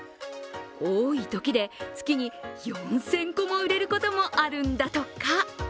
多いときで月に４０００個も売れることもあるんだとか。